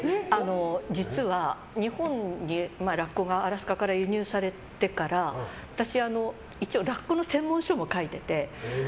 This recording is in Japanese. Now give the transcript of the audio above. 実は、日本にラッコがアラスカから輸入されてから私、一応ラッコの専門書を書いてて。